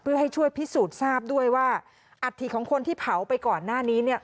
เพื่อให้ช่วยพิสูจน์ทราบด้วยว่าอัฐิของคนที่เผาไปก่อนหน้านี้เนี่ย